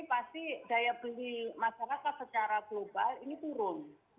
pasti daya beli masyarakat secara global ini turun